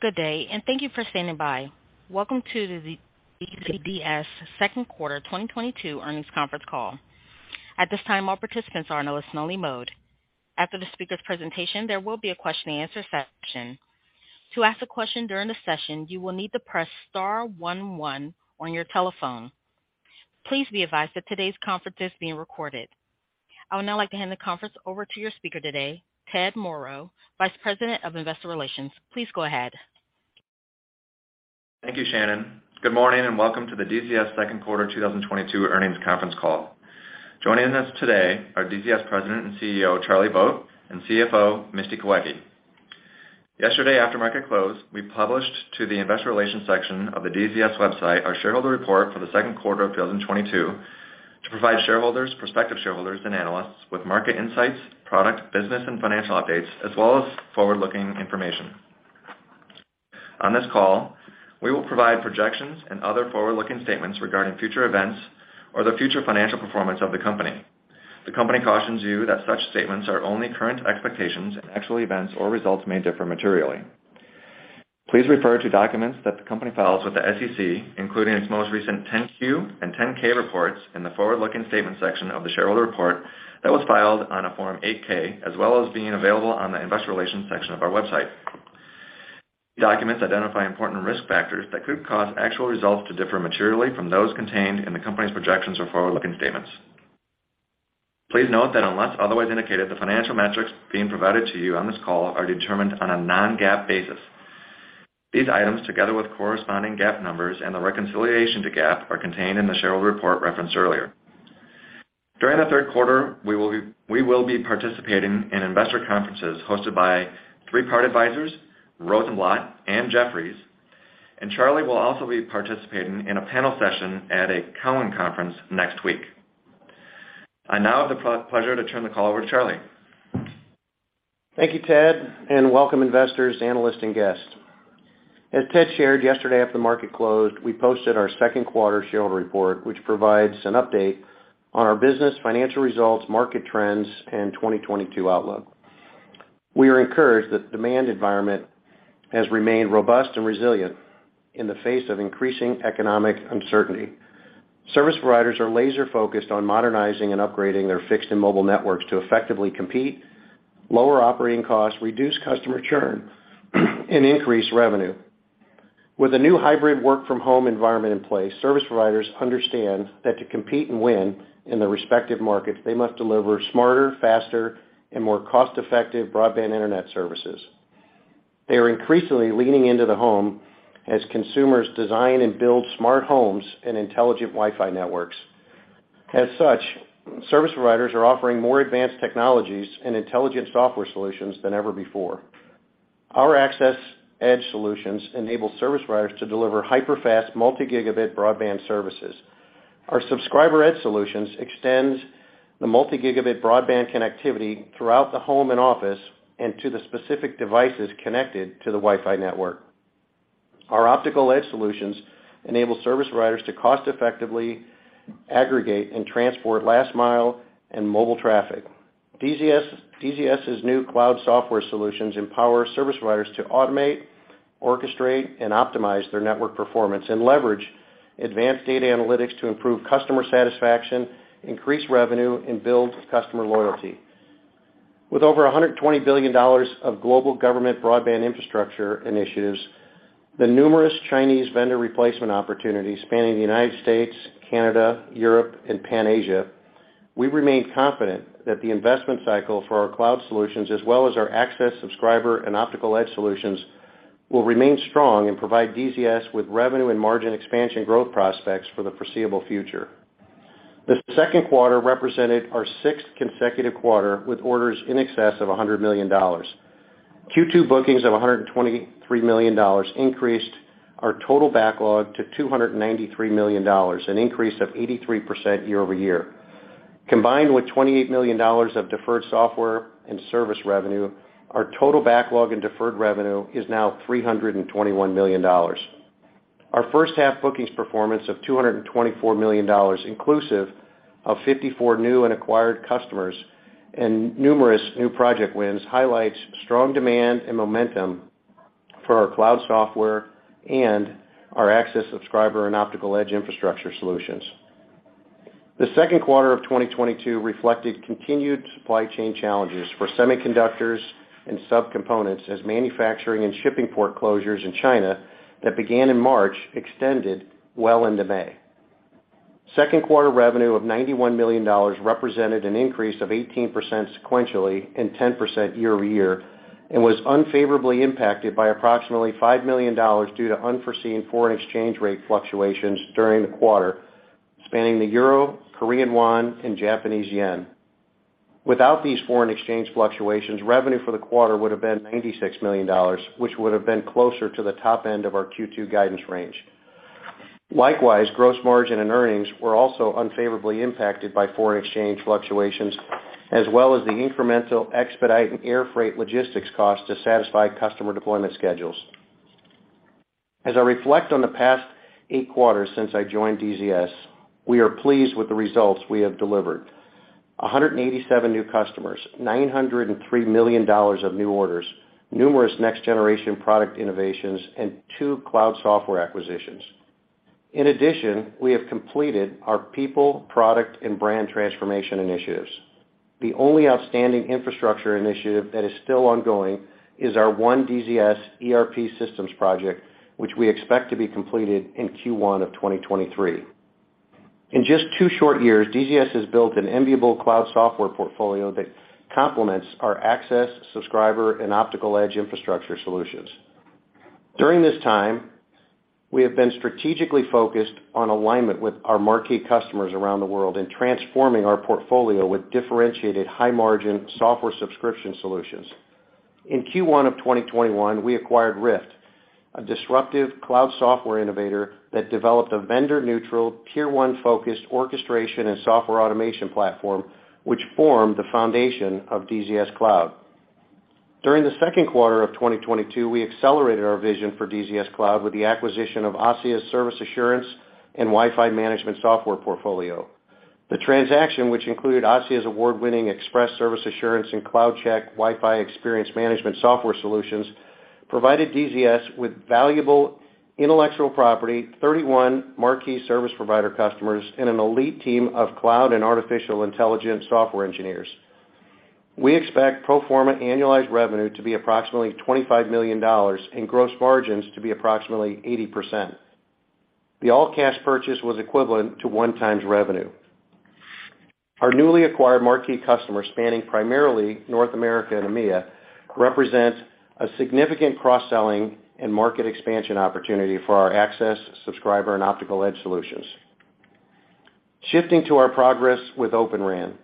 Good day, and thank you for standing by. Welcome to the DZS Second Quarter 2022 Earnings Conference Call. At this time, all participants are in a listen-only mode. After the speaker presentation, there will be a question and answer session. To ask a question during the session, you will need to press star one one on your telephone. Please be advised that today's conference is being recorded. I would now like to hand the conference over to your speaker today, Ted Moreau, Vice President of Investor Relations. Please go ahead. Thank you, Shannon. Good morning, and welcome to the DZS Second Quarter 2022 Earnings Conference Call. Joining us today are DZS President and CEO, Charlie Vogt, and CFO, Misty Kawecki. Yesterday, after market close, we published to the investor relations section of the DZS website our shareholder report for the second quarter of 2022 to provide shareholders, prospective shareholders and analysts with market insights, product, business and financial updates, as well as forward-looking information. On this call, we will provide projections and other forward-looking statements regarding future events or the future financial performance of the company. The company cautions you that such statements are only current expectations, and actual events or results may differ materially. Please refer to documents that the company files with the SEC, including its most recent 10-Q and 10-K reports in the forward looking statements section of the shareholder report that was filed on a Form 8-K, as well as being available on the investor relations section of our website. Documents identify important risk factors that could cause actual results to differ materially from those contained in the company's projections or forward-looking statements. Please note that unless otherwise indicated, the financial metrics being provided to you on this call are determined on a non-GAAP basis. These items, together with corresponding GAAP numbers and the reconciliation to GAAP, are contained in the shareholder report referenced earlier. During the third quarter, we will be participating in investor conferences hosted by Three Part Advisors, Rosenblatt and Jefferies. Charlie will also be participating in a panel session at a Cowen conference next week. I now have the pleasure to turn the call over to Charlie. Thank you, Ted, and welcome investors, analysts and guests. As Ted shared yesterday, after the market closed, we posted our second quarter shareholder report, which provides an update on our business, financial results, market trends, and 2022 outlook. We are encouraged that the demand environment has remained robust and resilient in the face of increasing economic uncertainty. Service providers are laser focused on modernizing and upgrading their fixed and mobile networks to effectively compete, lower operating costs, reduce customer churn and increase revenue. With the new hybrid work from home environment in place, service providers understand that to compete and win in their respective markets, they must deliver smarter, faster, and more cost-effective broadband internet services. They are increasingly leaning into the home as consumers design and build smart homes and intelligent Wi-Fi networks. As such, service providers are offering more advanced technologies and intelligent software solutions than ever before. Our access edge solutions enable service providers to deliver hyper fast, multi-gigabit broadband services. Our subscriber edge solutions extends the multi-gigabit broadband connectivity throughout the home and office and to the specific devices connected to the Wi-Fi network. Our optical edge solutions enable service providers to cost effectively aggregate and transport last mile and mobile traffic. DZS's new cloud software solutions empower service providers to automate, orchestrate and optimize their network performance and leverage advanced data analytics to improve customer satisfaction, increase revenue and build customer loyalty. With over $120 billion of global government broadband infrastructure initiatives, the numerous Chinese vendor replacement opportunities spanning the United States, Canada, Europe and Pan-Asia, we remain confident that the investment cycle for our cloud solutions as well as our access subscriber and optical edge solutions, will remain strong and provide DZS with revenue and margin expansion growth prospects for the foreseeable future. The second quarter represented our sixth consecutive quarter with orders in excess of $100 million. Q2 bookings of $123 million increased our total backlog to $293 million, an increase of 83% year-over-year. Combined with $28 million of deferred software and service revenue, our total backlog in deferred revenue is now $321 million. Our first half bookings performance of $224 million inclusive of 54 new and acquired customers and numerous new project wins highlights strong demand and momentum for our cloud software and our access subscriber and optical edge infrastructure solutions. The second quarter of 2022 reflected continued supply chain challenges for semiconductors and subcomponents as manufacturing and shipping port closures in China that began in March extended well into May. Second quarter revenue of $91 million represented an increase of 18% sequentially and 10% year-over-year and was unfavorably impacted by approximately $5 million due to unforeseen foreign exchange rate fluctuations during the quarter spanning the euro, Korean won, and Japanese yen. Without these foreign exchange fluctuations, revenue for the quarter would have been $96 million, which would have been closer to the top end of our Q2 guidance range. Likewise, gross margin and earnings were also unfavorably impacted by foreign exchange fluctuations as well as the incremental expedite and air freight logistics costs to satisfy customer deployment schedules. I reflect on the past eight quarters since I joined DZS, we are pleased with the results we have delivered. 187 new customers, $903 million of new orders, numerous next-generation product innovations, and two cloud software acquisitions. In addition, we have completed our people, product, and brand transformation initiatives. The only outstanding infrastructure initiative that is still ongoing is our one DZS ERP systems project, which we expect to be completed in Q1 of 2023. In just two short years, DZS has built an enviable cloud software portfolio that complements our access, subscriber, and optical edge infrastructure solutions. During this time, we have been strategically focused on alignment with our marquee customers around the world in transforming our portfolio with differentiated high-margin software subscription solutions. In Q1 of 2021, we acquired RIFT, a disruptive cloud software innovator that developed a vendor-neutral Tier 1-focused orchestration and software automation platform, which formed the foundation of DZS Cloud. During the second quarter of 2022, we accelerated our vision for DZS Cloud with the acquisition of ASSIA's service assurance and Wi-Fi management software portfolio. The transaction, which included ASSIA's award-winning Expresse service assurance and CloudCheck Wi-Fi experience management software solutions, provided DZS with valuable intellectual property, 31 marquee service provider customers, and an elite team of cloud and artificial intelligence software engineers. We expect pro forma annualized revenue to be approximately $25 million and gross margins to be approximately 80%. The all-cash purchase was equivalent to 1x revenue. Our newly acquired marquee customers, spanning primarily North America and EMEA, represent a significant cross-selling and market expansion opportunity for our Access, Subscriber and Optical Edge solutions. Shifting to our progress with Open RAN.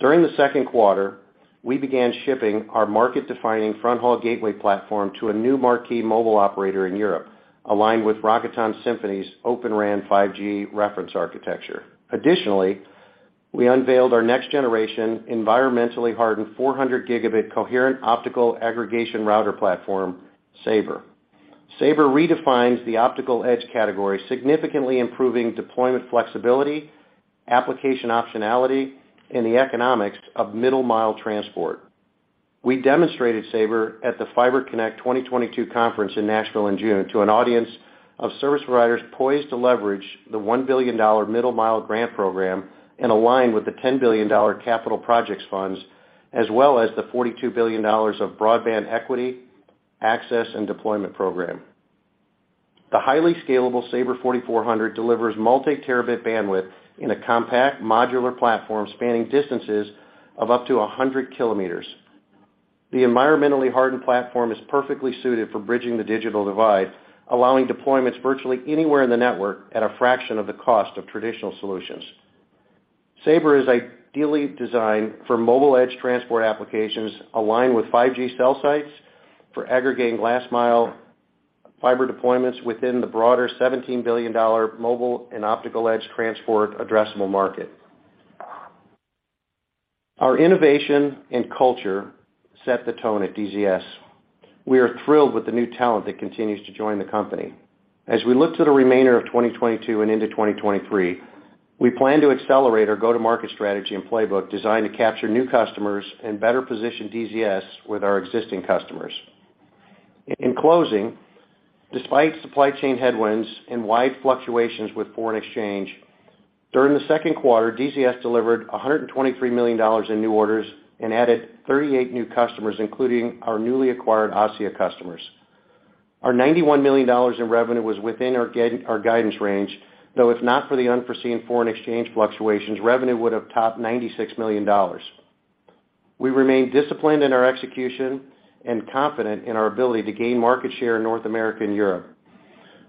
During the second quarter, we began shipping our market-defining fronthaul gateway platform to a new marquee mobile operator in Europe, aligned with Rakuten Symphony's Open RAN 5G reference architecture. Additionally, we unveiled our next-generation environmentally hardened 400 Gb coherent optical aggregation router platform, Saber. Saber redefines the Optical Edge category, significantly improving deployment flexibility, application optionality, and the economics of Middle Mile transport. We demonstrated Saber at the Fiber Connect 2022 conference in Nashville in June to an audience of service providers poised to leverage the $1 billion Middle Mile grant program and align with the $10 billion capital projects funds, as well as the $42 billion of Broadband Equity, Access, and Deployment program. The highly scalable Saber-4400 delivers multi-terabit bandwidth in a compact modular platform spanning distances of up to 100 km. The environmentally hardened platform is perfectly suited for bridging the digital divide, allowing deployments virtually anywhere in the network at a fraction of the cost of traditional solutions. Saber is ideally designed for mobile edge transport applications aligned with 5G cell sites for aggregating last mile fiber deployments within the broader $17 billion mobile and optical edge transport addressable market. Our innovation and culture set the tone at DZS. We are thrilled with the new talent that continues to join the company. As we look to the remainder of 2022 and into 2023, we plan to accelerate our go-to-market strategy and playbook designed to capture new customers and better position DZS with our existing customers. In closing, despite supply chain headwinds and wide fluctuations with foreign exchange, during the second quarter, DZS delivered $123 million in new orders and added 38 new customers, including our newly acquired ASSIA customers. Our $91 million in revenue was within our guidance range, though if not for the unforeseen foreign exchange fluctuations, revenue would have topped $96 million. We remain disciplined in our execution and confident in our ability to gain market share in North America and Europe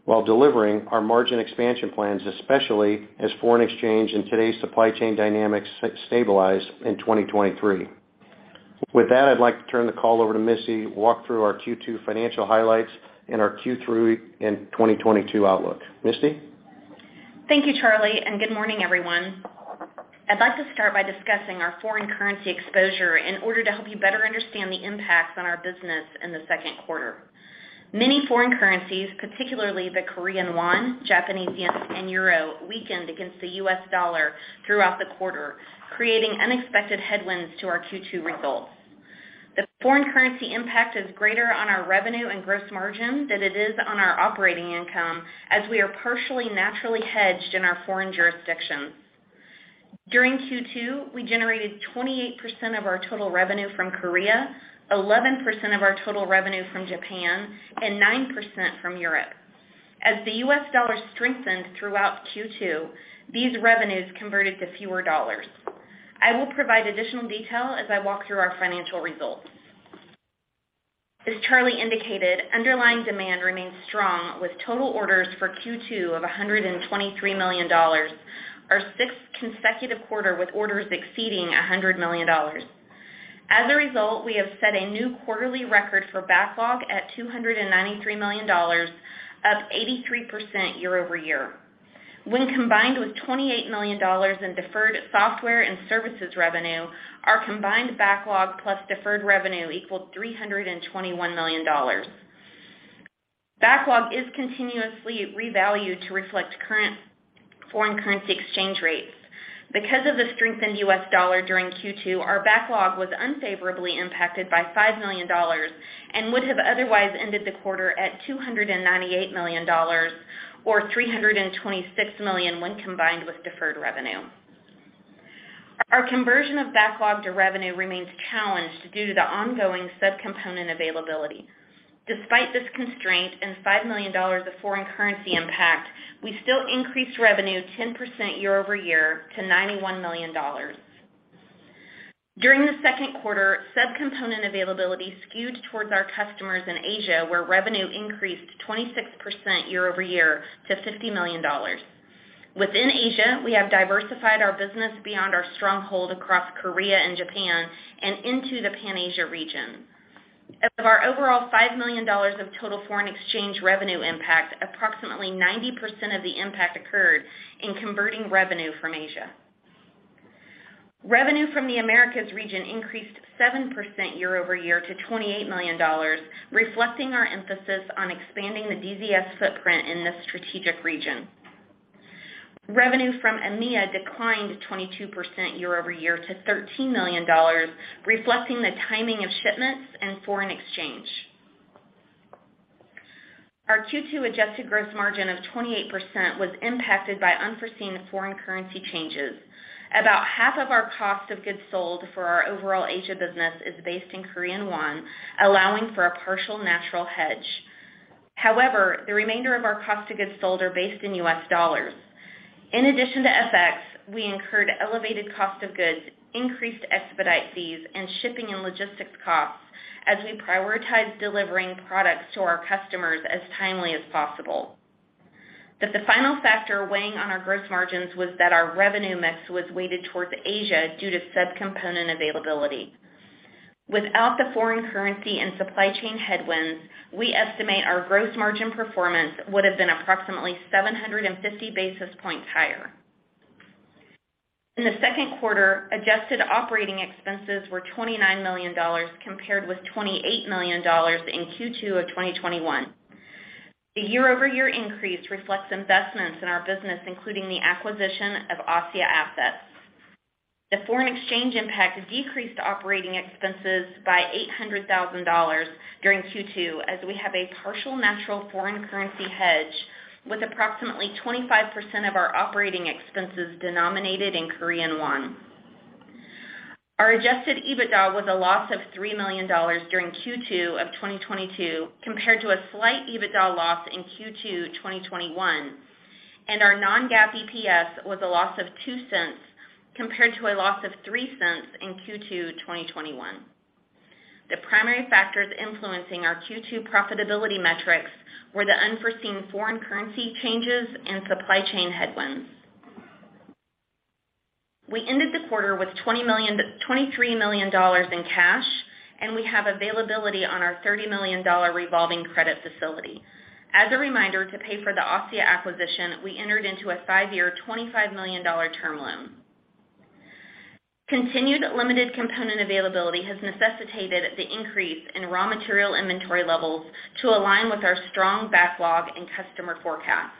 while delivering our margin expansion plans, especially as foreign exchange and today's supply chain dynamics stabilize in 2023. With that, I'd like to turn the call over to Misty to walk through our Q2 financial highlights and our Q3 and 2022 outlook. Misty? Thank you, Charlie, and good morning, everyone. I'd like to start by discussing our foreign currency exposure in order to help you better understand the impacts on our business in the second quarter. Many foreign currencies, particularly the Korean won, Japanese yen, and euro, weakened against the U.S. dollar throughout the quarter, creating unexpected headwinds to our Q2 results. The foreign currency impact is greater on our revenue and gross margin than it is on our operating income, as we are partially naturally hedged in our foreign jurisdictions. During Q2, we generated 28% of our total revenue from Korea, 11% of our total revenue from Japan, and 9% from Europe. As the U.S. dollar strengthened throughout Q2, these revenues converted to fewer dollars. I will provide additional detail as I walk through our financial results. As Charlie indicated, underlying demand remains strong with total orders for Q2 of $123 million, our sixth consecutive quarter with orders exceeding $100 million. As a result, we have set a new quarterly record for backlog at $293 million, up 83% year-over-year. When combined with $28 million in deferred software and services revenue, our combined backlog plus deferred revenue equaled $321 million. Backlog is continuously revalued to reflect current foreign currency exchange rates. Because of the strengthened U.S. dollar during Q2, our backlog was unfavorably impacted by $5 million and would have otherwise ended the quarter at $298 million or $326 million when combined with deferred revenue. Our conversion of backlog to revenue remains challenged due to the ongoing sub-component availability. Despite this constraint and $5 million of foreign currency impact, we still increased revenue 10% year-over-year to $91 million. During the second quarter, sub-component availability skewed towards our customers in Asia, where revenue increased 26% year-over-year to $50 million. Within Asia, we have diversified our business beyond our stronghold across Korea and Japan and into the Pan-Asia region. Of our overall $5 million of total foreign exchange revenue impact, approximately 90% of the impact occurred in converting revenue from Asia. Revenue from the Americas region increased 7% year-over-year to $28 million, reflecting our emphasis on expanding the DZS footprint in this strategic region. Revenue from EMEA declined 22% year-over-year to $13 million, reflecting the timing of shipments and foreign exchange. Our Q2 adjusted gross margin of 28% was impacted by unforeseen foreign currency changes. About half of our cost of goods sold for our overall Asia business is based in Korean won, allowing for a partial natural hedge. However, the remainder of our cost of goods sold are based in U.S. dollars. In addition to FX, we incurred elevated cost of goods, increased expedite fees, and shipping and logistics costs as we prioritize delivering products to our customers as timely as possible. The final factor weighing on our gross margins was that our revenue mix was weighted towards Asia due to sub-component availability. Without the foreign currency and supply chain headwinds, we estimate our gross margin performance would have been approximately 750 basis points higher. In the second quarter, adjusted operating expenses were $29 million, compared with $28 million in Q2 of 2021. The year-over-year increase reflects investments in our business, including the acquisition of ASSIA assets. The foreign exchange impact decreased operating expenses by $800,000 during Q2 as we have a partial natural foreign currency hedge with approximately 25% of our operating expenses denominated in Korean won. Our adjusted EBITDA was a loss of $3 million during Q2 of 2022 compared to a slight EBITDA loss in Q2 2021, and our non-GAAP EPS was a loss of $0.02 compared to a loss of $0.03 in Q2 2021. The primary factors influencing our Q2 profitability metrics were the unforeseen foreign currency changes and supply chain headwinds. We ended the quarter with $23 million in cash, and we have availability on our $30 million revolving credit facility. As a reminder, to pay for the ASSIA acquisition, we entered into a five-year $25 million term loan. Continued limited component availability has necessitated the increase in raw material inventory levels to align with our strong backlog and customer forecasts.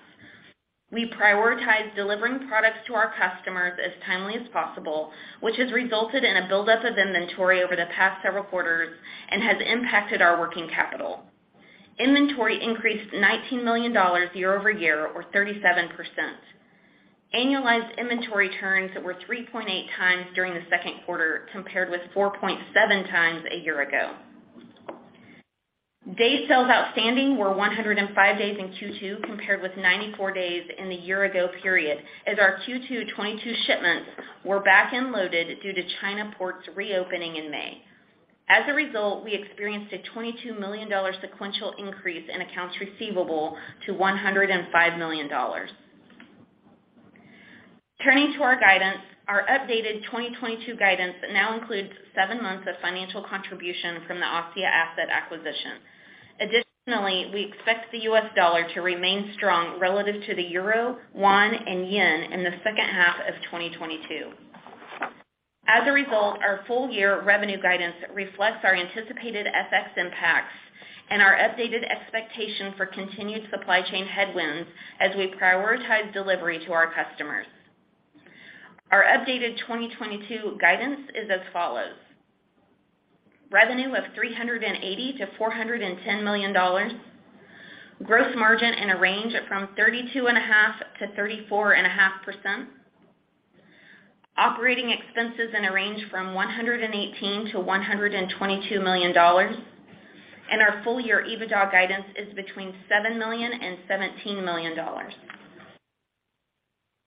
We prioritize delivering products to our customers as timely as possible, which has resulted in a buildup of inventory over the past several quarters and has impacted our working capital. Inventory increased $19 million year-over-year, or 37%. Annualized inventory turns were 3.8 times during the second quarter, compared with 4.7 times a year ago. Days sales outstanding were 105 days in Q2 compared with 94 days in the year ago period as our Q2 2022 shipments were back and loaded due to China ports reopening in May. As a result, we experienced a $22 million sequential increase in accounts receivable to $105 million. Turning to our guidance, our updated 2022 guidance now includes seven months of financial contribution from the ASSIA asset acquisition. Additionally, we expect the U.S. dollar to remain strong relative to the euro, won, and yen in the second half of 2022. As a result, our full year revenue guidance reflects our anticipated FX impacts and our updated expectation for continued supply chain headwinds as we prioritize delivery to our customers. Our updated 2022 guidance is as follows. Revenue of $380 million-$410 million. Gross margin in a range from 32.5%-34.5%. Operating expenses in a range from $118 million-$122 million. Our full year EBITDA guidance is between $7 million and $17 million.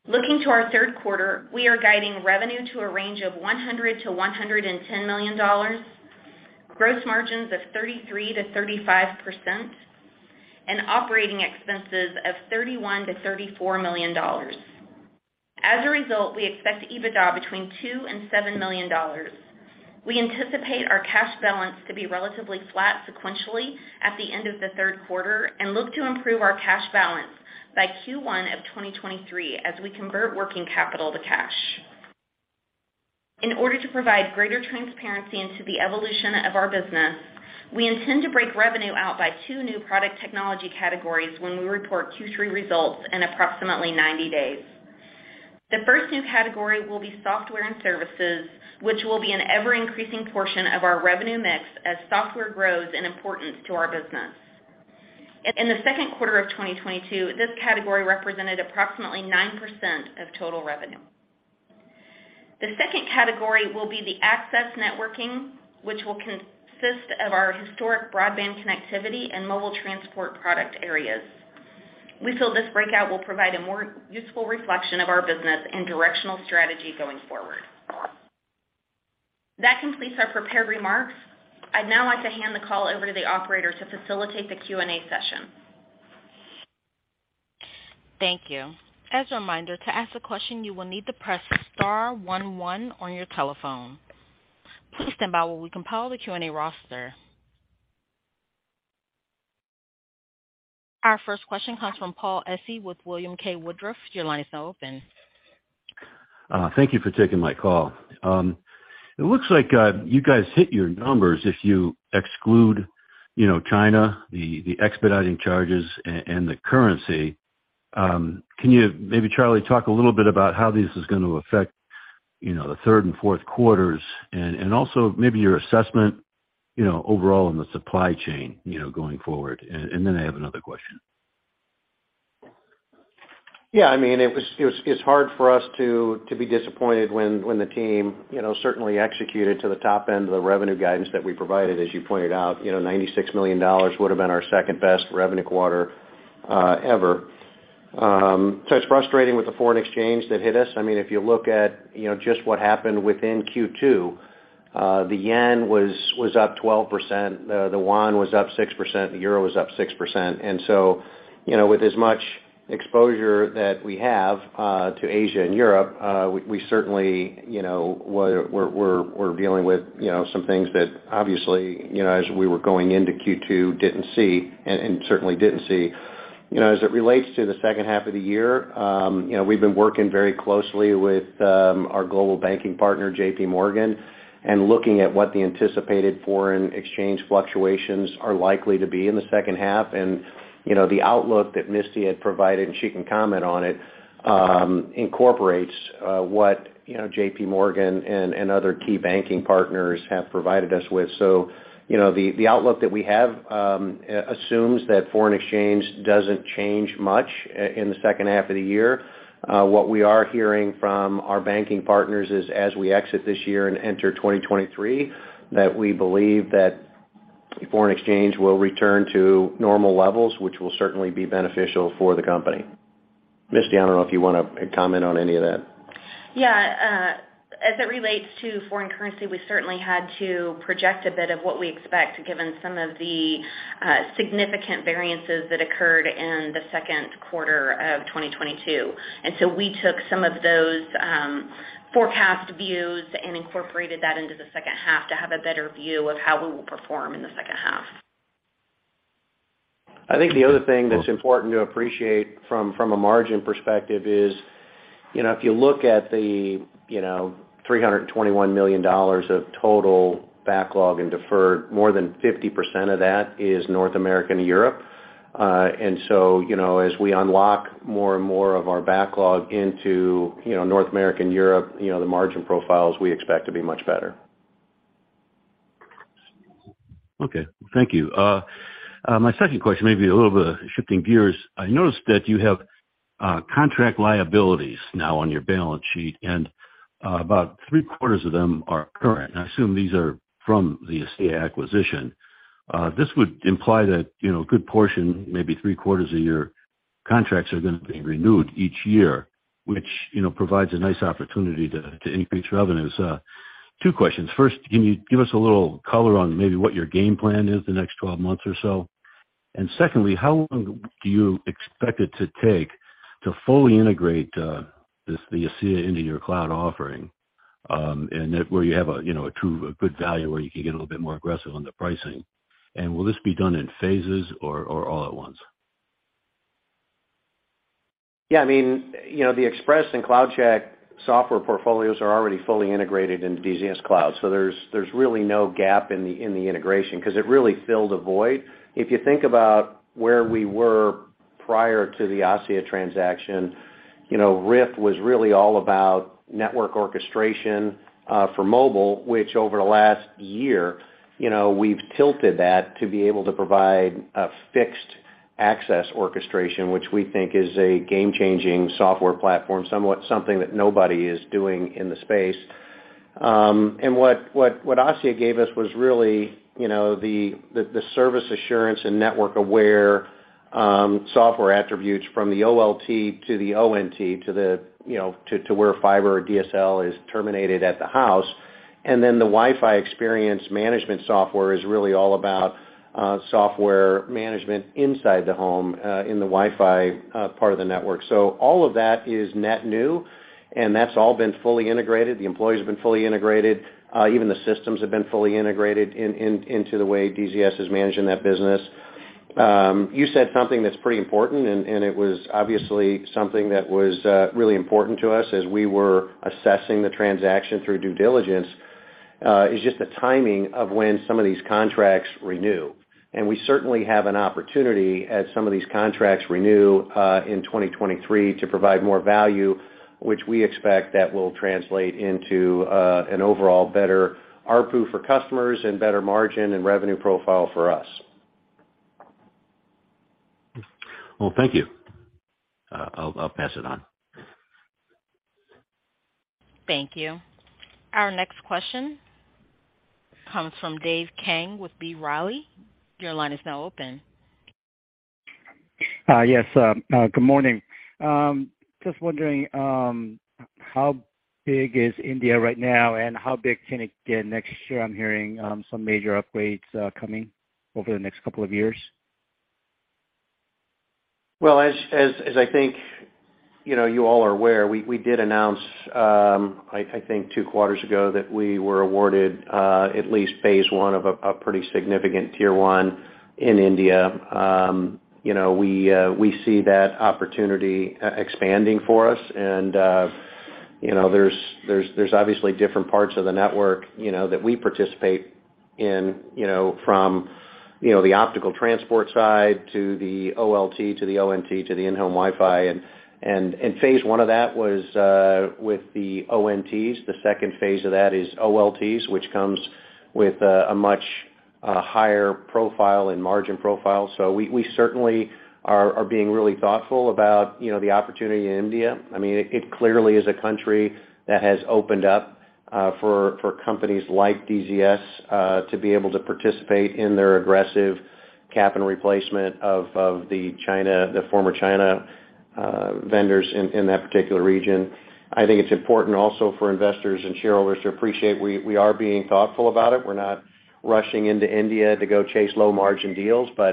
Looking to our third quarter, we are guiding revenue to a range of $100 million-$110 million, gross margins of 33%-35%, and operating expenses of $31 million-$34 million. As a result, we expect EBITDA between $2 million and $7 million. We anticipate our cash balance to be relatively flat sequentially at the end of the third quarter and look to improve our cash balance by Q1 of 2023 as we convert working capital to cash. In order to provide greater transparency into the evolution of our business, we intend to break revenue out by two new product technology categories when we report Q3 results in approximately 90 days. The first new category will be software and services, which will be an ever-increasing portion of our revenue mix as software grows in importance to our business. In the second quarter of 2022, this category represented approximately 9% of total revenue. The second category will be the access networking, which will consist of our historic broadband connectivity and mobile transport product areas. We feel this breakout will provide a more useful reflection of our business and directional strategy going forward. That completes our prepared remarks. I'd now like to hand the call over to the operator to facilitate the Q&A session. Thank you. As a reminder, to ask a question, you will need to press star one one on your telephone. Please stand by while we compile the Q&A roster. Our first question comes from Paul Essi with William K. Woodruff. Your line is now open. Thank you for taking my call. It looks like you guys hit your numbers if you exclude, you know, China, the expediting charges and the currency. Can you maybe, Charlie, talk a little bit about how this is gonna affect, you know, the third and fourth quarters and also maybe your assessment, you know, overall in the supply chain, you know, going forward? Then I have another question. Yeah, I mean, it's hard for us to be disappointed when the team, you know, certainly executed to the top end of the revenue guidance that we provided. As you pointed out, you know, $96 million would've been our second-best revenue quarter, ever. So it's frustrating with the foreign exchange that hit us. I mean, if you look at, you know, just what happened within Q2, the yen was up 12%, the yuan was up 6%, the euro was up 6%. You know, with as much exposure that we have to Asia and Europe, we certainly, you know, we're dealing with some things that obviously, you know, as we were going into Q2, didn't see and certainly didn't see. You know, as it relates to the second half of the year, you know, we've been working very closely with our global banking partner, JPMorgan, and looking at what the anticipated foreign exchange fluctuations are likely to be in the second half. You know, the outlook that Misty had provided, and she can comment on it, incorporates what, you know, JPMorgan and other key banking partners have provided us with. You know, the outlook that we have assumes that foreign exchange doesn't change much in the second half of the year. What we are hearing from our banking partners is as we exit this year and enter 2023, that we believe that foreign exchange will return to normal levels, which will certainly be beneficial for the company. Misty, I don't know if you wanna comment on any of that. Yeah, as it relates to foreign currency, we certainly had to project a bit of what we expect given some of the significant variances that occurred in the second quarter of 2022. We took some of those forecast views and incorporated that into the second half to have a better view of how we will perform in the second half. I think the other thing that's important to appreciate from a margin perspective is, you know, if you look at the, you know, $321 million of total backlog and deferred, more than 50% of that is North America and Europe. You know, as we unlock more and more of our backlog into, you know, North America and Europe, you know, the margin profiles, we expect to be much better. Okay. Thank you. My second question may be a little bit shifting gears. I noticed that you have contract liabilities now on your balance sheet, and about three-quarters of them are current. I assume these are from the ASSIA acquisition. This would imply that, you know, a good portion, maybe three-quarters a year contracts are gonna be renewed each year, which, you know, provides a nice opportunity to increase revenues. Two questions. First, can you give us a little color on maybe what your game plan is the next 12 months or so? Secondly, how long do you expect it to take to fully integrate this, the ASSIA into your cloud offering, and then where you have a, you know, a truly good value where you can get a little bit more aggressive on the pricing? Will this be done in phases or all at once? Yeah, I mean, you know, the Expresse and CloudCheck software portfolios are already fully integrated into DZS Cloud. There's really no gap in the integration 'cause it really filled a void. If you think about where we were prior to the ASSIA transaction, you know, RIFT was really all about network orchestration for mobile, which over the last year, you know, we've tilted that to be able to provide a fixed access orchestration, which we think is a game-changing software platform, somewhat something that nobody is doing in the space. What ASSIA gave us was really, you know, the service assurance and network-aware software attributes from the OLT to the ONT to where fiber or DSL is terminated at the house. The Wi-Fi experience management software is really all about software management inside the home in the Wi-Fi part of the network. All of that is net new, and that's all been fully integrated. The employees have been fully integrated, even the systems have been fully integrated into the way DZS is managing that business. You said something that's pretty important, and it was obviously something that was really important to us as we were assessing the transaction through due diligence, is just the timing of when some of these contracts renew. We certainly have an opportunity as some of these contracts renew in 2023 to provide more value, which we expect that will translate into an overall better ARPU for customers and better margin and revenue profile for us. Well, thank you. I'll pass it on. Thank you. Our next question comes from Dave Kang with B. Riley. Your line is now open. Good morning. Just wondering, how big is India right now, and how big can it get next year? I'm hearing, some major upgrades, coming over the next couple of years. Well, as I think, you know, you all are aware, we did announce, I think two quarters ago that we were awarded at least phase one of a pretty significant Tier 1 in India. You know, we see that opportunity expanding for us. You know, there's obviously different parts of the network, you know, that we participate in, you know, from, you know, the optical transport side to the OLT, to the ONT, to the in-home Wi-Fi. Phase one of that was with the ONTs. The second phase of that is OLTs, which comes with a much higher profile and margin profile. We certainly are being really thoughtful about, you know, the opportunity in India. I mean, it clearly is a country that has opened up for companies like DZS to be able to participate in their aggressive CapEx replacement of the China, the former China vendors in that particular region. I think it's important also for investors and shareholders to appreciate we are being thoughtful about it. We're not rushing into India to go chase low margin deals. You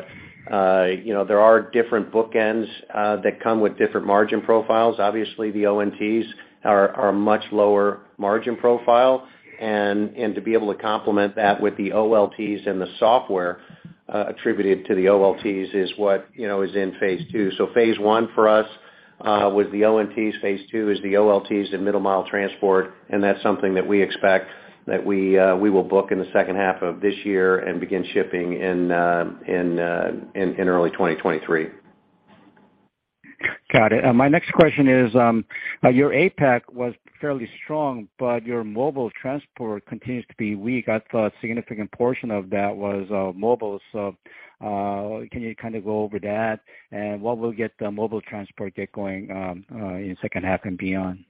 know, there are different bookends that come with different margin profiles. Obviously, the ONTs are much lower margin profile. To be able to complement that with the OLTs and the software attributed to the OLTs is what you know is in phase two. Phase one for us was the ONTs, phase two is the OLTs and Middle Mile transport, and that's something that we expect that we will book in the second half of this year and begin shipping in early 2023. Got it. My next question is, your APAC was fairly strong, but your mobile transport continues to be weak. I thought a significant portion of that was mobile. Can you kind of go over that? What will get the mobile transport going in second half and beyond?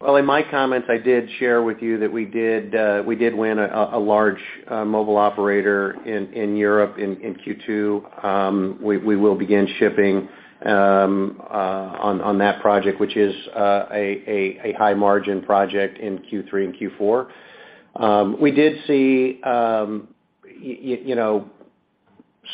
Well, in my comments, I did share with you that we did win a large mobile operator in Europe in Q2. We will begin shipping on that project, which is a high margin project in Q3 and Q4. We did see you know,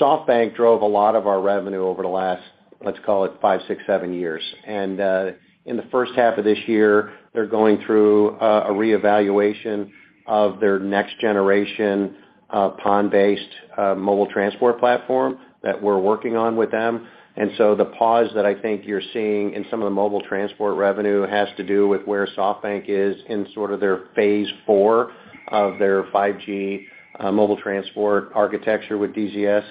SoftBank drove a lot of our revenue over the last, let's call it five, six, seven years. In the first half of this year, they're going through a reevaluation of their next generation PON-based mobile transport platform that we're working on with them. The pause that I think you're seeing in some of the mobile transport revenue has to do with where SoftBank is in sort of their phase four of their 5G mobile transport architecture with DZS.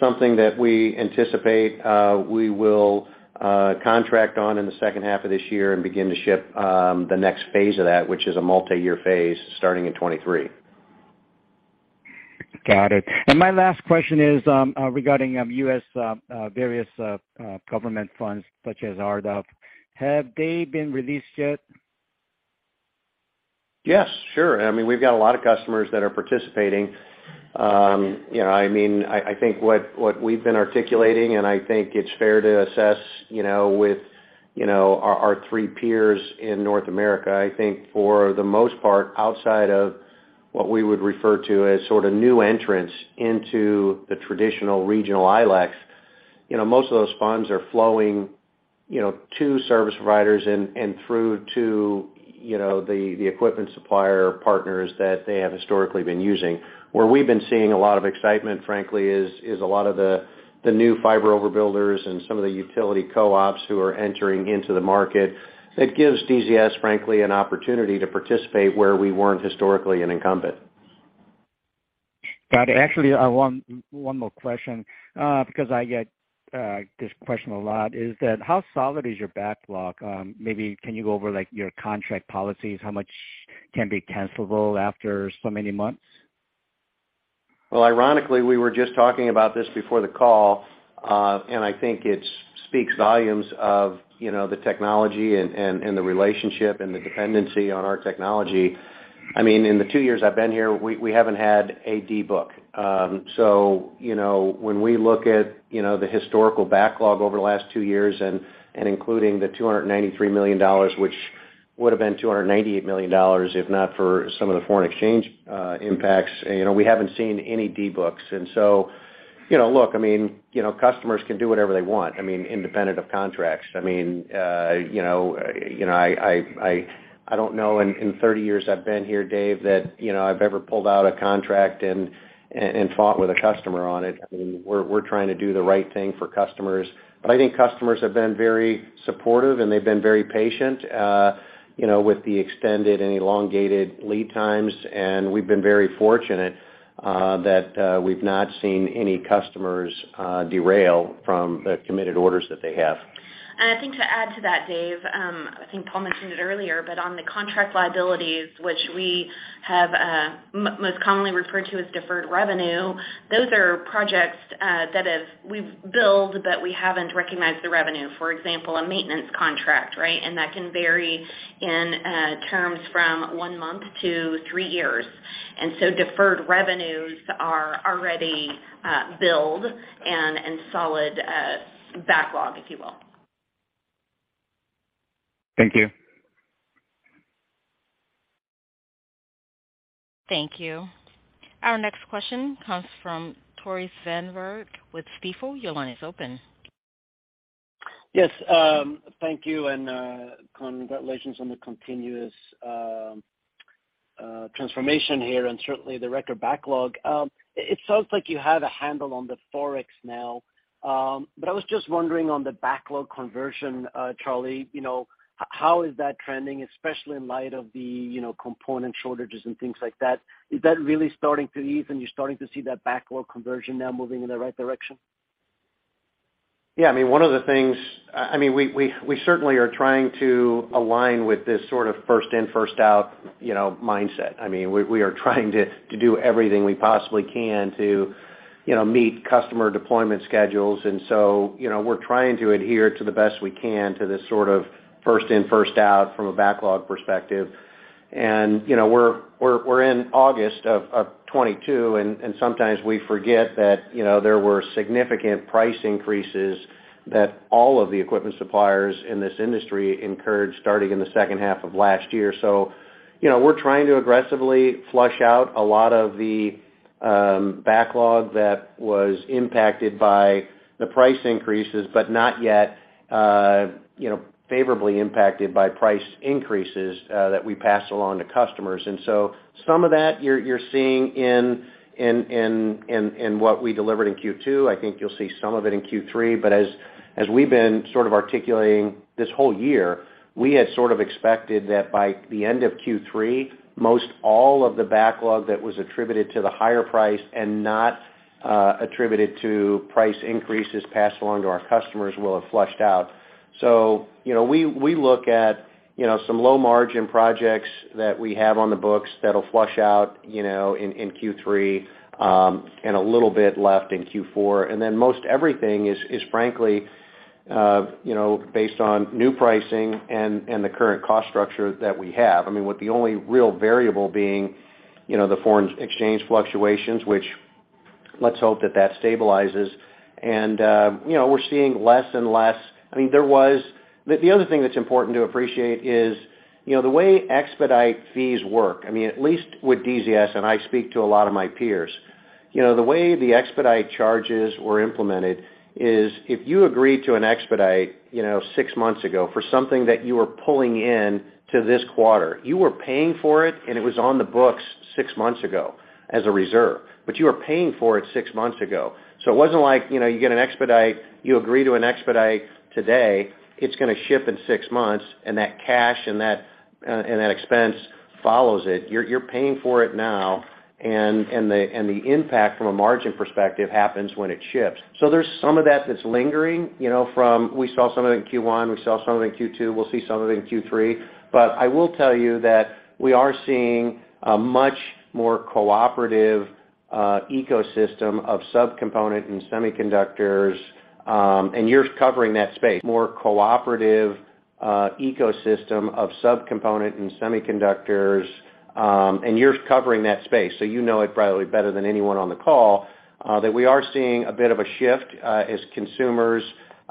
Something that we anticipate we will contract on in the second half of this year and begin to ship the next phase of that, which is a multiyear phase starting in 2023. Got it. My last question is regarding U.S. various government funds such as RDOF. Have they been released yet? Yes, sure. I mean, we've got a lot of customers that are participating. You know, I mean, I think what we've been articulating, and I think it's fair to assess, you know, with our three peers in North America, I think for the most part, outside of what we would refer to as sort of new entrants into the traditional regional ILEC, you know, most of those funds are flowing, you know, to service providers and through to the equipment supplier partners that they have historically been using. Where we've been seeing a lot of excitement, frankly, is a lot of the new fiber overbuilders and some of the utility co-ops who are entering into the market. It gives DZS, frankly, an opportunity to participate where we weren't historically an incumbent. Got it. Actually, one more question, because I get this question a lot, is that how solid is your backlog? Maybe can you go over like your contract policies, how much can be cancelable after so many months? Well, ironically, we were just talking about this before the call, and I think it speaks volumes about, you know, the technology and the relationship and the dependency on our technology. I mean, in the two years I've been here, we haven't had a de-book. You know, when we look at, you know, the historical backlog over the last two years and including the $293 million which would have been $298 million, if not for some of the foreign exchange impacts. You know, we haven't seen any debooks. You know, look, I mean, you know, customers can do whatever they want, I mean, independent of contracts. I mean, you know, I don't know, in 30 years I've been here, Dave, that, you know, I've ever pulled out a contract and fought with a customer on it. I mean, we're trying to do the right thing for customers. I think customers have been very supportive, and they've been very patient, you know, with the extended and elongated lead times. We've been very fortunate, that we've not seen any customers derail from the committed orders that they have. I think to add to that, Dave, I think Paul mentioned it earlier, but on the contract liabilities, which we have, most commonly referred to as deferred revenue, those are projects that we've billed, but we haven't recognized the revenue. For example, a maintenance contract, right? That can vary in terms from one month to three years. Deferred revenues are already billed and solid backlog, if you will. Thank you. Thank you. Our next question comes from Tore Svanberg with Stifel. Your line is open. Yes, thank you, and congratulations on the continuous transformation here and certainly the record backlog. It sounds like you have a handle on the Forex now. I was just wondering on the backlog conversion, Charlie, you know, how is that trending, especially in light of the, you know, component shortages and things like that? Is that really starting to ease and you're starting to see that backlog conversion now moving in the right direction? I mean, one of the things. I mean, we certainly are trying to align with this sort of first in, first out, you know, mindset. I mean, we are trying to do everything we possibly can to, you know, meet customer deployment schedules. You know, we're trying to adhere to the best we can to this sort of first in, first out from a backlog perspective. You know, we're in August of 2022, and sometimes we forget that, you know, there were significant price increases that all of the equipment suppliers in this industry incurred starting in the second half of last year. You know, we're trying to aggressively flush out a lot of the backlog that was impacted by the price increases, but not yet, you know, favorably impacted by price increases that we pass along to customers. Some of that you're seeing in what we delivered in Q2. I think you'll see some of it in Q3. As we've been sort of articulating this whole year, we had sort of expected that by the end of Q3, most all of the backlog that was attributed to the higher price and not attributed to price increases passed along to our customers will have flushed out. You know, we look at some low margin projects that we have on the books that'll flush out, you know, in Q3, and a little bit left in Q4. Then most everything is frankly, you know, based on new pricing and the current cost structure that we have. I mean, with the only real variable being, you know, the foreign exchange fluctuations, which let's hope that stabilizes. You know, we're seeing less and less. I mean, the other thing that's important to appreciate is, you know, the way expedite fees work, I mean, at least with DZS, and I speak to a lot of my peers. You know, the way the expedite charges were implemented is if you agreed to an expedite, you know, six months ago for something that you were pulling in to this quarter, you were paying for it, and it was on the books six months ago as a reserve. You were paying for it six months ago. It wasn't like, you know, you get an expedite, you agree to an expedite today, it's gonna ship in six months, and that cash and that expense follows it. You're paying for it now, and the impact from a margin perspective happens when it ships. There's some of that that's lingering, you know. We saw some of it in Q1, we saw some of it in Q2, we'll see some of it in Q3. I will tell you that we are seeing a much more cooperative ecosystem of subcomponent and semiconductors, and you're covering that space, so you know it probably better than anyone on the call, that we are seeing a bit of a shift, as consumers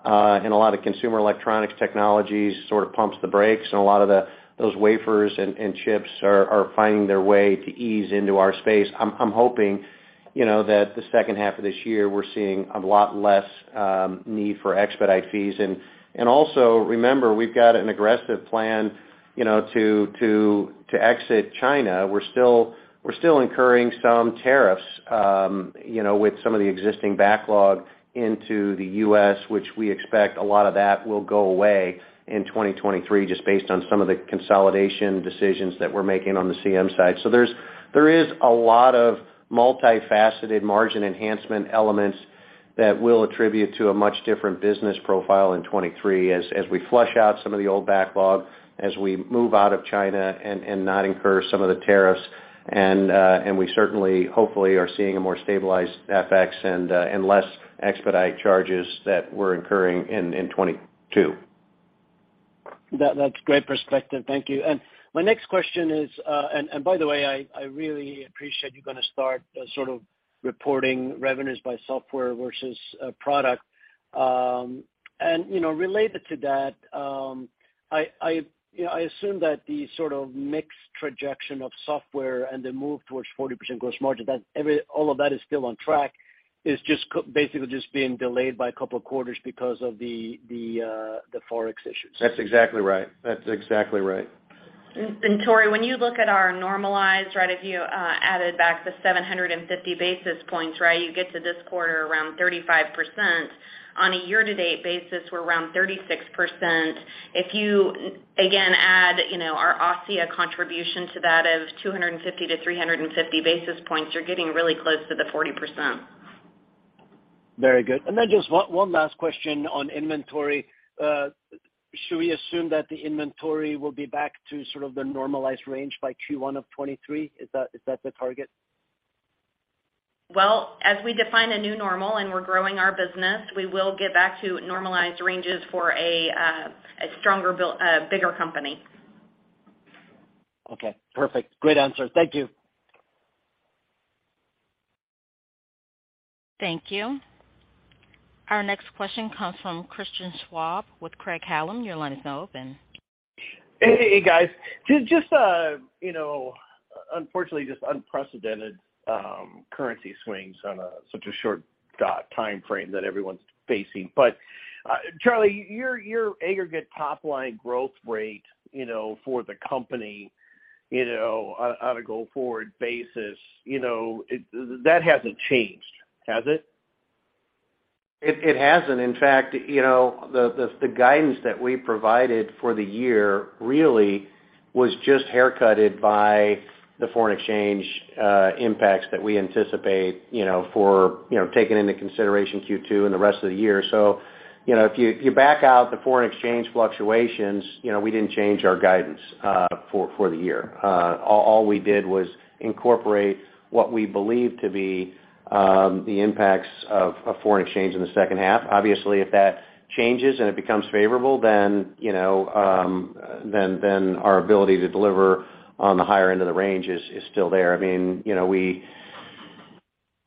and a lot of consumer electronics technologies sort of pumps the brakes and a lot of the, those wafers and chips are finding their way to ease into our space. I'm hoping, you know, that the second half of this year we're seeing a lot less need for expedite fees. Also remember, we've got an aggressive plan, you know, to exit China. We're still incurring some tariffs, you know, with some of the existing backlog into the U.S., which we expect a lot of that will go away in 2023 just based on some of the consolidation decisions that we're making on the CM side. There is a lot of multifaceted margin enhancement elements that will attribute to a much different business profile in 2023 as we flush out some of the old backlog, as we move out of China and not incur some of the tariffs. We certainly, hopefully are seeing a more stabilized FX and less expedite charges that we're incurring in 2022. That's great perspective. Thank you. My next question is, by the way, I really appreciate you're gonna start sort of reporting revenues by software versus product. You know, related to that, you know, I assume that the sort of mix trajectory of software and the move towards 40% gross margin, that all of that is still on track, is just basically just being delayed by a couple of quarters because of the forex issues. That's exactly right. Tore, when you look at our normalized, right, if you added back the 750 basis points, right? You get to this quarter around 35%. On a year-to-date basis, we're around 36%. If you, again, add, you know, our ASSIA contribution to that of 250 basis points-350 basis points, you're getting really close to the 40%. Very good. Just one last question on inventory. Should we assume that the inventory will be back to sort of the normalized range by Q1 of 2023? Is that the target? Well, as we define a new normal and we're growing our business, we will get back to normalized ranges for a stronger, bigger company. Okay, perfect. Great answer. Thank you. Thank you. Our next question comes from Christian Schwab with Craig-Hallum. Your line is now open. Hey, guys. Just, you know, unfortunately, just unprecedented currency swings on such a short time frame that everyone's facing. Charlie, your aggregate top line growth rate, you know, for the company, you know, on a go-forward basis, you know, it, that hasn't changed, has it? It hasn't. In fact, you know, the guidance that we provided for the year really was just haircut by the foreign exchange impacts that we anticipate, you know, for taking into consideration Q2 and the rest of the year. You know, if you back out the foreign exchange fluctuations, you know, we didn't change our guidance for the year. All we did was incorporate what we believe to be the impacts of foreign exchange in the second half. Obviously, if that changes and it becomes favorable, then, you know, then our ability to deliver on the higher end of the range is still there. I mean, you know, we,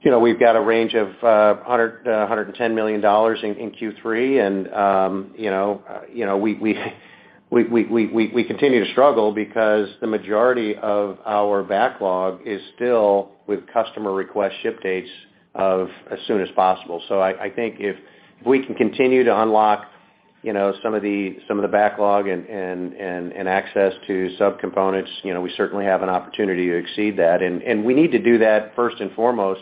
you know, we've got a range of $110 million in Q3. You know, we continue to struggle because the majority of our backlog is still with customer request ship dates of as soon as possible. I think if we can continue to unlock, you know, some of the backlog and access to subcomponents, you know, we certainly have an opportunity to exceed that. We need to do that first and foremost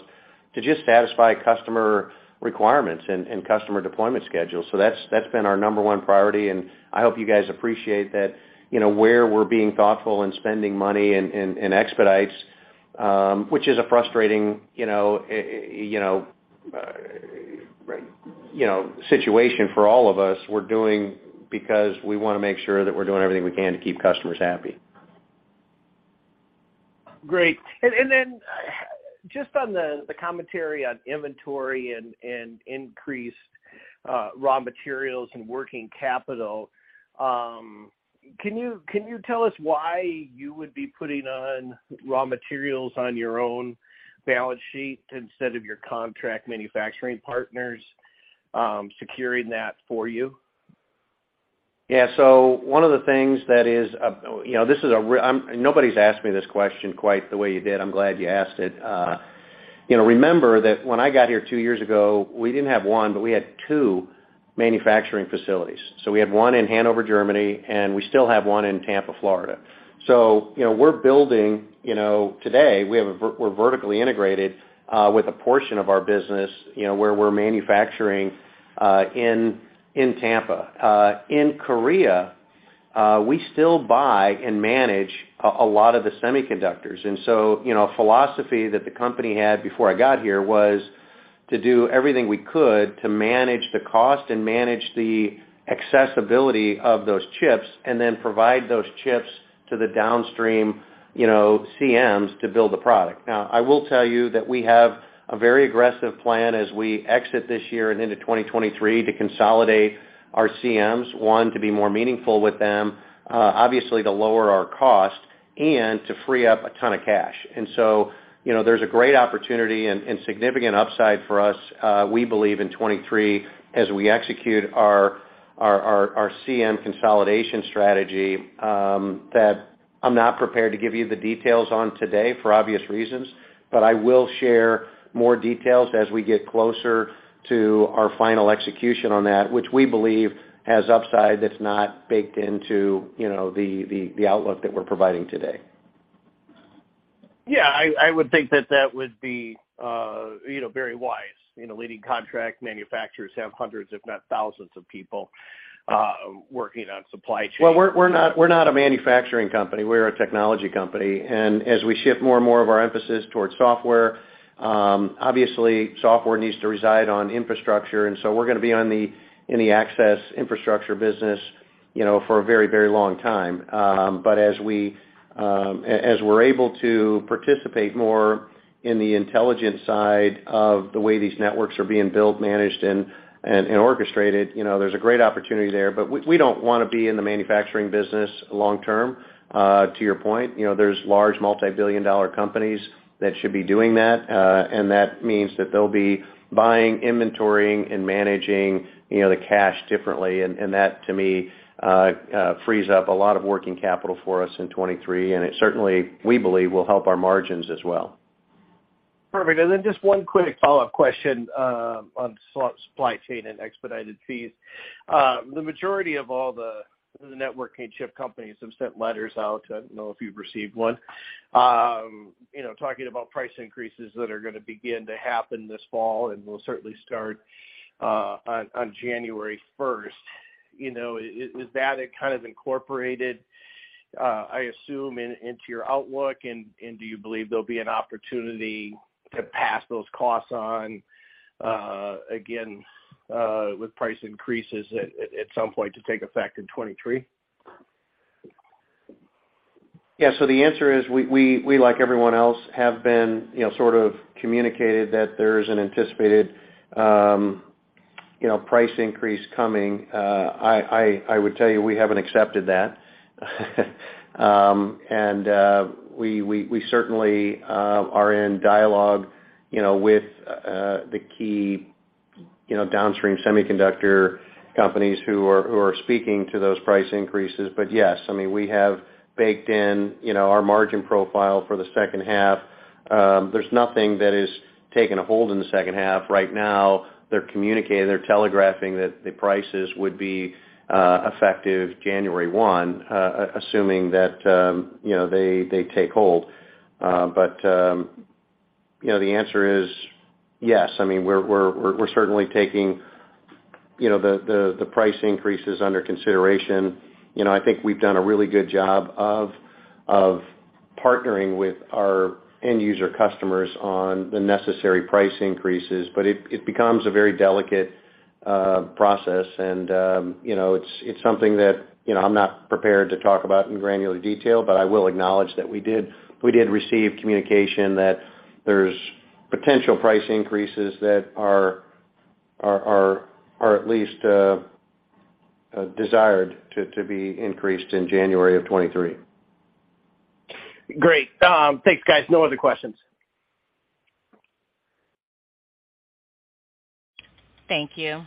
to just satisfy customer requirements and customer deployment schedules. That's been our number one priority, and I hope you guys appreciate that, you know, where we're being thoughtful and spending money and expedites, which is a frustrating, you know, situation for all of us, we're doing because we wanna make sure that we're doing everything we can to keep customers happy. Great. Just on the commentary on inventory and increased raw materials and working capital, can you tell us why you would be putting on raw materials on your own balance sheet instead of your contract manufacturing partners securing that for you? One of the things that is, you know, nobody's asked me this question quite the way you did. I'm glad you asked it. You know, remember that when I got here two years ago, we didn't have one, but we had two manufacturing facilities. We had one in Hanover, Germany, and we still have one in Tampa, Florida. You know, we're building. You know, today, we're vertically integrated with a portion of our business, you know, where we're manufacturing in Tampa. In Korea, we still buy and manage a lot of the semiconductors. You know, philosophy that the company had before I got here was to do everything we could to manage the cost and manage the accessibility of those chips, and then provide those chips to the downstream, you know, CMs to build the product. Now, I will tell you that we have a very aggressive plan as we exit this year and into 2023 to consolidate our CMs, one, to be more meaningful with them, obviously to lower our cost and to free up a ton of cash. You know, there's a great opportunity and significant upside for us, we believe in 2023 as we execute our CM consolidation strategy, that I'm not prepared to give you the details on today for obvious reasons. I will share more details as we get closer to our final execution on that, which we believe has upside that's not baked into, you know, the outlook that we're providing today. Yeah. I would think that would be, you know, very wise. You know, leading contract manufacturers have hundreds, if not thousands of people, working on supply chain. We're not a manufacturing company. We're a technology company. As we shift more and more of our emphasis towards software, obviously software needs to reside on infrastructure, and so we're gonna be in the access infrastructure business, you know, for a very long time. As we're able to participate more in the intelligent side of the way these networks are being built, managed, and orchestrated, you know, there's a great opportunity there. We don't wanna be in the manufacturing business long term. To your point, you know, there's large multi-billion dollar companies that should be doing that, and that means that they'll be buying, inventorying, and managing, you know, the cash differently. That, to me, frees up a lot of working capital for us in 2023, and it certainly, we believe, will help our margins as well. Perfect. Then just one quick follow-up question on supply chain and expedited fees. The majority of all the networking chip companies have sent letters out. I don't know if you've received one, you know, talking about price increases that are gonna begin to happen this fall and will certainly start on January 1st. You know, is that it kind of incorporated, I assume into your outlook, and do you believe there'll be an opportunity to pass those costs on again with price increases at some point to take effect in 2023? Yeah. The answer is we, like everyone else, have been, you know, sort of communicated that there is an anticipated, you know, price increase coming. I would tell you we haven't accepted that. We certainly are in dialogue, you know, with the key, you know, downstream semiconductor companies who are speaking to those price increases. Yes, I mean, we have baked in, you know, our margin profile for the second half. There's nothing that has taken a hold in the second half. Right now, they're communicating, they're telegraphing that the prices would be effective January 1, assuming that, you know, they take hold. The answer is yes. I mean, we're certainly taking, you know, the price increases under consideration. You know, I think we've done a really good job of partnering with our end user customers on the necessary price increases. It becomes a very delicate process and, you know, it's something that, you know, I'm not prepared to talk about in granular detail, but I will acknowledge that we did receive communication that there's potential price increases that are at least desired to be increased in January of 2023. Great. Thanks guys. No other questions. Thank you.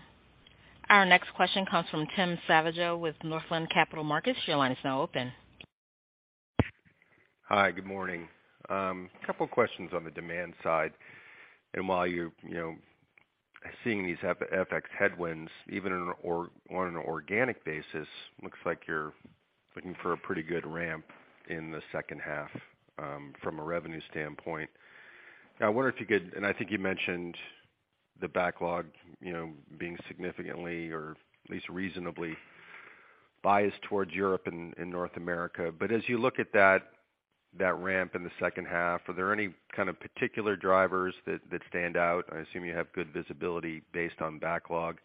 Our next question comes from Tim Savageaux with Northland Capital Markets. Your line is now open. Hi. Good morning. Couple questions on the demand side. While you're, you know, seeing these FX headwinds even in an on an organic basis, looks like you're looking for a pretty good ramp in the second half, from a revenue standpoint. I wonder if you could, and I think you mentioned the backlog, you know, being significantly or at least reasonably biased towards Europe and North America. As you look at that ramp in the second half, are there any kind of particular drivers that stand out, I assume you have good visibility based on backlog,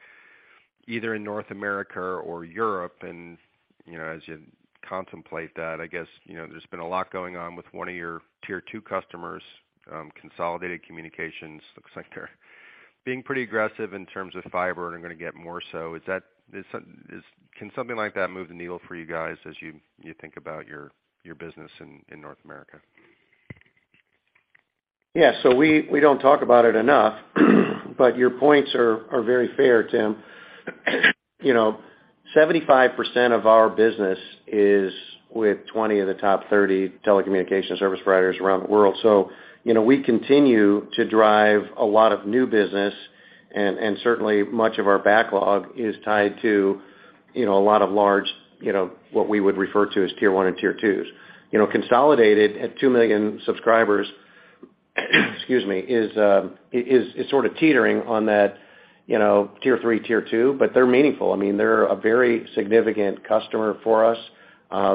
either in North America or Europe? You know, as you contemplate that, I guess, you know, there's been a lot going on with one of your Tier 2 customers, Consolidated Communications. Looks like they're being pretty aggressive in terms of fiber and are gonna get more so. Can something like that move the needle for you guys as you think about your business in North America? Yeah. We don't talk about it enough, but your points are very fair, Tim. You know, 75% of our business is with 20 of the top 30 telecommunications service providers around the world. You know, we continue to drive a lot of new business and certainly much of our backlog is tied to, you know, a lot of large, you know, what we would refer to as Tier 1 and Tier 2s. You know, Consolidated, at 2 million subscribers, excuse me, is sort of teetering on that, you know, Tier 3, Tier 2, but they're meaningful. I mean, they're a very significant customer for us. I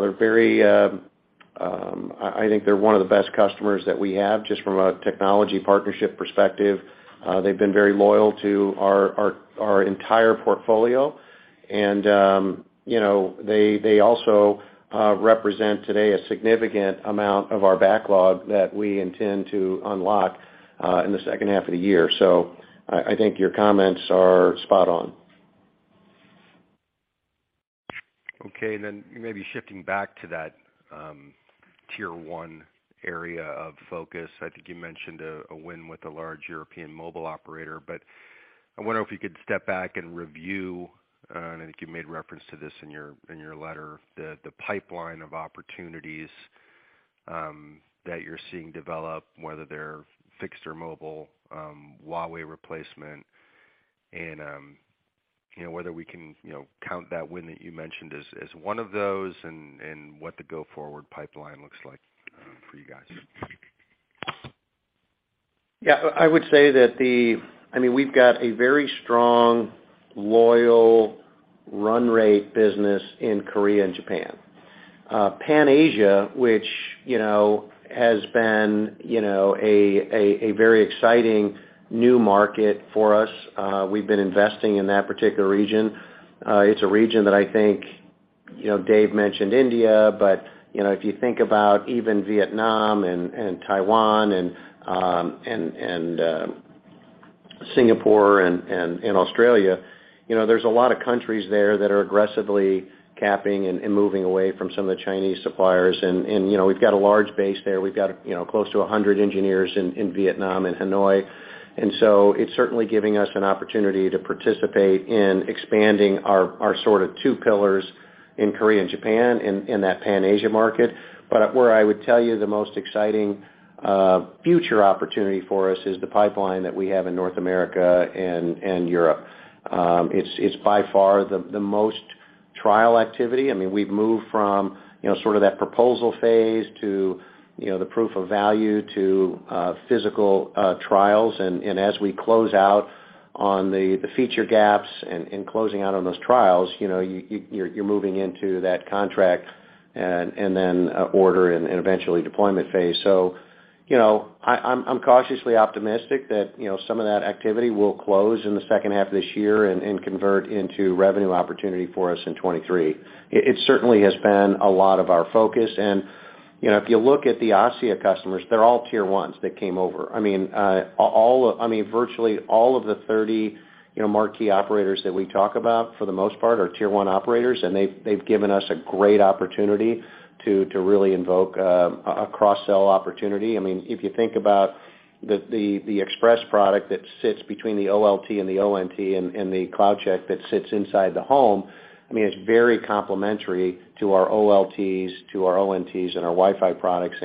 think they're one of the best customers that we have just from a technology partnership perspective. They've been very loyal to our entire portfolio and, you know, they also represent today a significant amount of our backlog that we intend to unlock in the second half of the year. I think your comments are spot on. Okay. Maybe shifting back to that, Tier 1 area of focus. I think you mentioned a win with a large European mobile operator, but I wonder if you could step back and review, and I think you made reference to this in your letter, the pipeline of opportunities that you're seeing develop, whether they're fixed or mobile, Huawei replacement and, you know, whether we can, you know, count that win that you mentioned as one of those and what the go-forward pipeline looks like, for you guys. Yeah. I would say that, I mean, we've got a very strong, loyal run rate business in Korea and Japan. Pan-Asia, which, you know, has been, you know, a very exciting new market for us, we've been investing in that particular region. It's a region that I think you know, Dave mentioned India, but, you know, if you think about even Vietnam and Taiwan and Singapore and Australia, you know, there's a lot of countries there that are aggressively capping and moving away from some of the Chinese suppliers and, you know, we've got a large base there. We've got, you know, close to 100 engineers in Vietnam and Hanoi. It's certainly giving us an opportunity to participate in expanding our sort of two pillars in Korea and Japan in that Pan-Asia market. Where I would tell you the most exciting future opportunity for us is the pipeline that we have in North America and Europe. It's by far the most trial activity. I mean, we've moved from, you know, sort of that proposal phase to, you know, the proof of value to physical trials. As we close out on the feature gaps and in closing out on those trials, you know, you're moving into that contract and then order and eventually deployment phase. I'm cautiously optimistic that, you know, some of that activity will close in the second half of this year and convert into revenue opportunity for us in 2023. It certainly has been a lot of our focus. You know, if you look at the ASSIA customers, they're all Tier 1s that came over. I mean, virtually all of the 30, you know, marquee operators that we talk about for the most part are Tier 1 operators, and they've given us a great opportunity to really involve a cross-sell opportunity. I mean, if you think about the Expresse product that sits between the OLT and the ONT and the CloudCheck that sits inside the home, I mean, it's very complementary to our OLTs, to our ONTs, and our Wi-Fi products.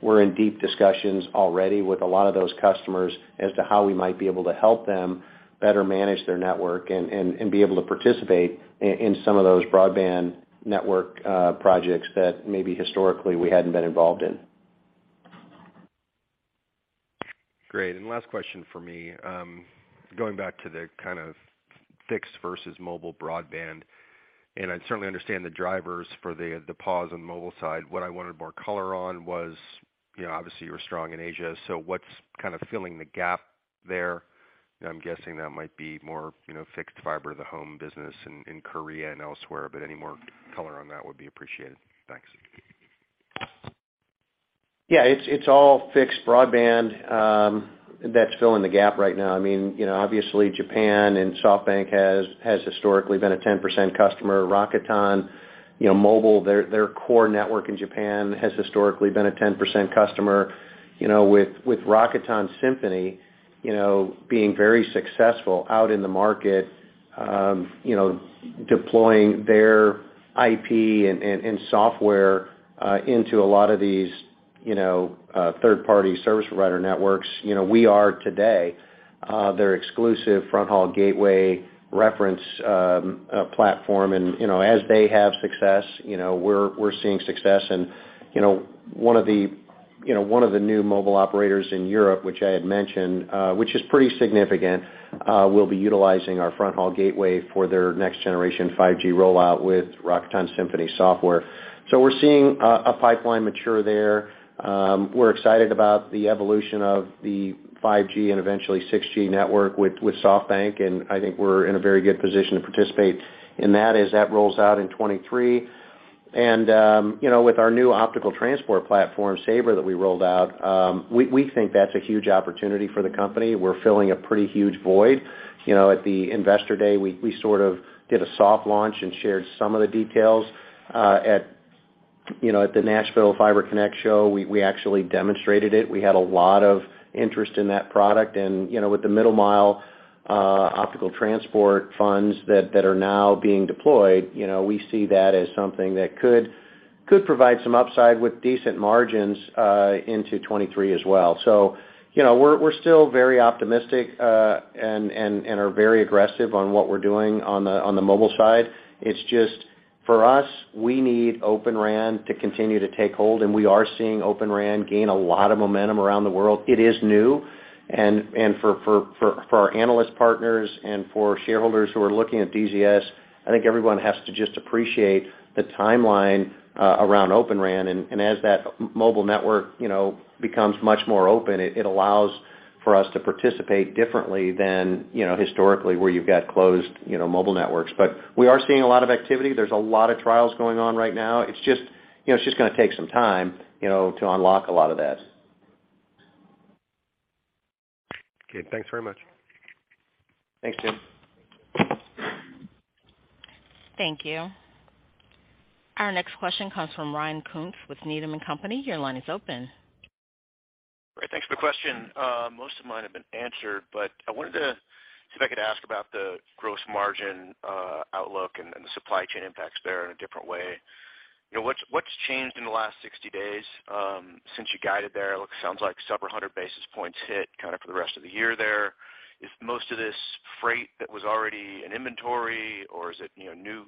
We're in deep discussions already with a lot of those customers as to how we might be able to help them better manage their network and be able to participate in some of those broadband network projects that maybe historically we hadn't been involved in. Great. Last question for me, going back to the kind of fixed versus mobile broadband, and I certainly understand the drivers for the pause on the mobile side. What I wanted more color on was, you know, obviously you're strong in Asia, so what's kind of filling the gap there? I'm guessing that might be more, you know, fixed fiber to the home business in Korea and elsewhere, but any more color on that would be appreciated. Thanks. Yeah, it's all fixed broadband that's filling the gap right now. I mean, you know, obviously Japan and SoftBank has historically been a 10% customer. Rakuten Mobile, their core network in Japan has historically been a 10% customer. You know, with Rakuten Symphony, you know, being very successful out in the market, you know, deploying their IP and software into a lot of these, you know, third-party service provider networks. You know, we are today their exclusive fronthaul gateway reference platform. You know, as they have success, you know, we're seeing success. You know, one of the new mobile operators in Europe, which I had mentioned, which is pretty significant, will be utilizing our fronthaul gateway for their next generation 5G rollout with Rakuten Symphony software. We're seeing a pipeline mature there. We're excited about the evolution of the 5G and eventually 6G network with SoftBank, and I think we're in a very good position to participate in that as that rolls out in 2023. You know, with our new optical transport platform, Saber, that we rolled out, we think that's a huge opportunity for the company. We're filling a pretty huge void. You know, at the Investor Day, we sort of did a soft launch and shared some of the details. At the Nashville Fiber Connect Show, we actually demonstrated it. We had a lot of interest in that product. You know, with the Middle Mile optical transport funds that are now being deployed, you know, we see that as something that could provide some upside with decent margins into 2023 as well. You know, we're still very optimistic and are very aggressive on what we're doing on the mobile side. It's just for us, we need Open RAN to continue to take hold, and we are seeing Open RAN gain a lot of momentum around the world. It is new and for our analyst partners and for shareholders who are looking at DZS, I think everyone has to just appreciate the timeline around Open RAN. As that mobile network, you know, becomes much more open, it allows for us to participate differently than, you know, historically, where you've got closed, you know, mobile networks. But we are seeing a lot of activity. There's a lot of trials going on right now. It's just, you know, it's just gonna take some time, you know, to unlock a lot of that. Okay. Thanks very much. Thanks, Tim. Thank you. Our next question comes from Ryan Koontz with Needham & Company. Your line is open. Great. Thanks for the question. Most of mine have been answered, but I wanted to see if I could ask about the gross margin outlook and the supply chain impacts there in a different way. You know, what's changed in the last 60 days since you guided there? It sounds like several hundred basis points hit kind of for the rest of the year there. Is most of this freight that was already in inventory or is it, you know,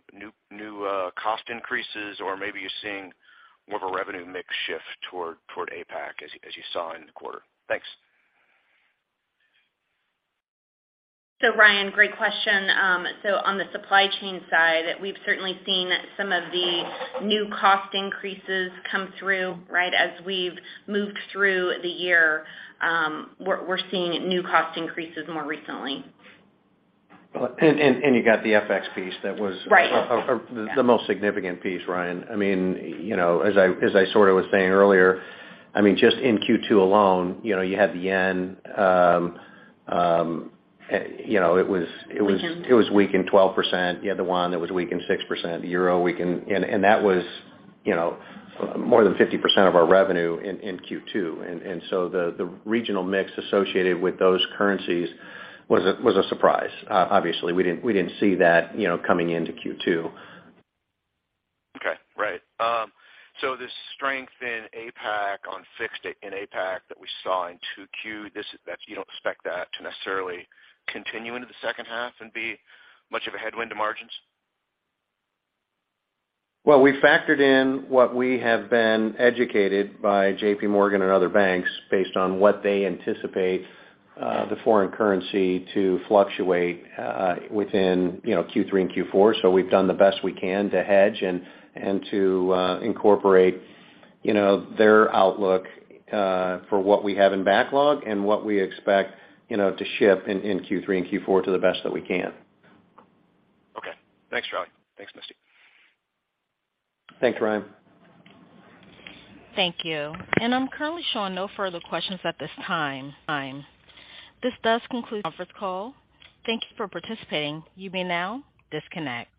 new cost increases or maybe you're seeing more of a revenue mix shift toward APAC as you saw in the quarter? Thanks. Ryan, great question. On the supply chain side, we've certainly seen some of the new cost increases come through, right? As we've moved through the year, we're seeing new cost increases more recently. You got the FX piece that was. Right. The most significant piece, Ryan. I mean, you know, as I sort of was saying earlier, I mean, just in Q2 alone, you know, you had the yen, you know, it was. Weaken. It was weakened 12%. You had the yuan that was weakened 6%, the euro weakened. That was, you know, more than 50% of our revenue in Q2. So the regional mix associated with those currencies was a surprise. Obviously, we didn't see that, you know, coming into Q2. Okay. Right. The strength in APAC, on fixed in APAC that we saw in 2Q, that you don't expect that to necessarily continue into the second half and be much of a headwind to margins? Well, we factored in what we have been educated by JPMorgan and other banks based on what they anticipate the foreign currency to fluctuate within, you know, Q3 and Q4. We've done the best we can to hedge and to incorporate, you know, their outlook for what we have in backlog and what we expect, you know, to ship in Q3 and Q4 to the best that we can. Okay. Thanks, Charlie. Thanks, Misty. Thanks, Ryan. Thank you. I'm currently showing no further questions at this time. This does conclude our conference call. Thank you for participating. You may now disconnect.